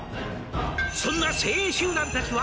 「そんな精鋭集団たちは」